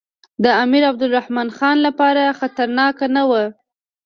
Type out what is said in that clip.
د امیر عبدالرحمن خان لپاره خطرناک نه وو.